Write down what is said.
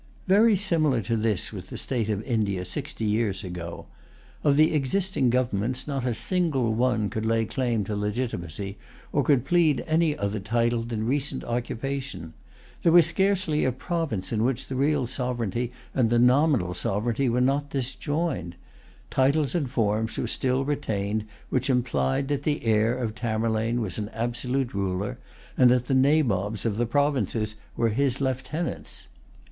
Very similar to this was the state of India sixty years ago. Of the existing governments not a single one could lay claim to legitimacy, or could plead any other title than recent occupation. There was scarcely a province in which the real sovereignty and the nominal sovereignty were not disjoined. Titles and forms were still retained which implied that the heir of Tamerlane was an absolute ruler, and that the Nabobs of the provinces were his lieutenants.